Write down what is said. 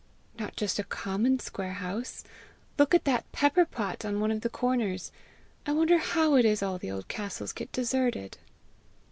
"Not just a common square house! Look at that pepper pot on one of the corners! I wonder how it is all the old castles get deserted!"